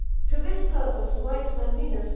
To this purpose writes Magninus, l.